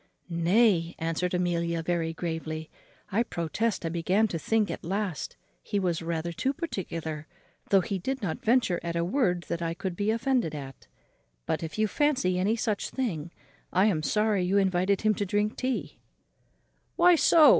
"Nay," answered Amelia very gravely, "I protest I began to think at last he was rather too particular, though he did not venture at a word that I could be offended at; but, if you fancy any such thing, I am sorry you invited him to drink tea," "Why so?"